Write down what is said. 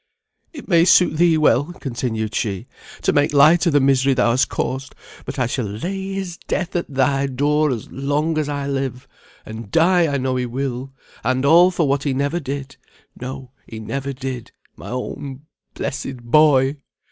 "It may suit thee well," continued she, "to make light o' the misery thou hast caused; but I shall lay his death at thy door, as long as I live, and die I know he will; and all for what he never did no, he never did; my own blessed boy!"